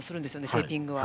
テーピングは。